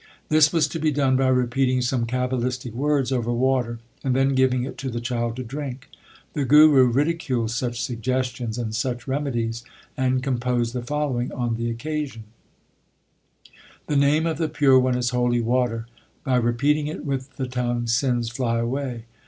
This was to be done by repeating some cabalistic words over water and then giving it to the child to drink. The Guru 1 Asa. LIFE OF GURU ARJAN 39 ridiculed such suggestions and such remedies, and composed the following on the occasion : The name of the Pure One is holy water ; By repeating it with the tongue sins fly away.